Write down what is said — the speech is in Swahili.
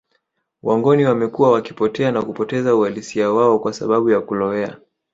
Wangoni wamekuwa wakipotea na kupoteza uhalisia wao kwa sababu ya kulowea